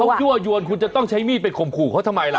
เขายั่วยวนคุณจะต้องใช้มีดไปข่มขู่เขาทำไมล่ะ